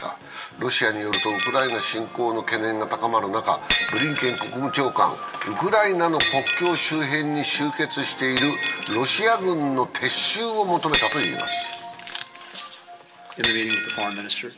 ロシアによるとウクライナ侵攻の懸念が高まる中、ブリンケン国務長官、ウクライナの国境周辺に集結しているロシア軍の撤収を求めたといいます。